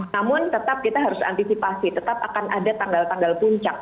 namun tetap kita harus antisipasi tetap akan ada tanggal tanggal puncak